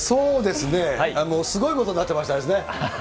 すごいことになってましたですね。